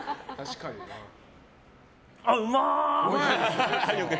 あっ、うまーっ！